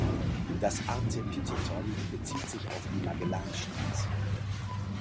Das Artepitheton bezieht sich auf die Magellanstraße.